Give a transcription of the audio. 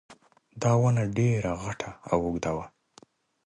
دا ونه ډېره غټه او اوږده وه